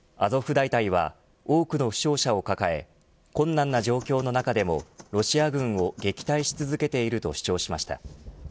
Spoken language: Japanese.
アゾフ大隊は多くの負傷者を抱え困難な状況の中でもロシア軍を撃退し続けていると主張しました。